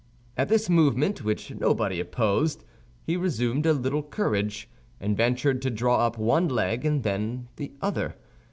At this movement, which nobody opposed, he resumed a little courage, and ventured to draw up one leg and then the other.